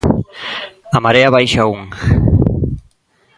A marea baixa un.